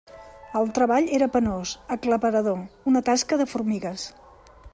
El treball era penós, aclaparador; una tasca de formigues.